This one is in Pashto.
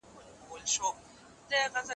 زه به سبا د سبا لپاره د درسونو يادونه وکړم،